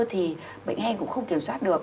thì bệnh hen cũng không kiểm soát được